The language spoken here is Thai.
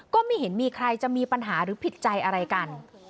ก็ไม่เห็นมีใครจะมีปัญหาหรือผิดใจอะไรกัน